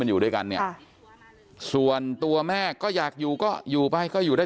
อยู่ด้วยกันเนี่ยส่วนตัวแม่ก็อยากอยู่ก็อยู่ไปก็อยู่ได้